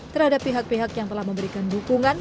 terhadap pihak pihak yang telah memberikan dukungan